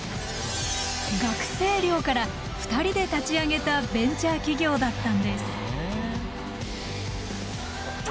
学生寮から２人で立ち上げたベンチャー企業だったんです。